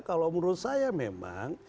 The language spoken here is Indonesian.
kalau menurut saya memang